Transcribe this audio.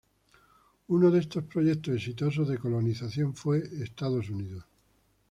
Uno de estos proyectos exitosos de colonización fue Estados Unidos.